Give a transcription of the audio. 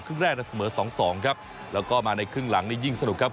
แรกน่ะเสมอสองสองครับแล้วก็มาในครึ่งหลังนี่ยิ่งสนุกครับ